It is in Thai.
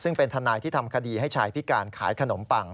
ซึ่งเป็นทนายที่ทำคดีให้ชายพิการขายขนมปัง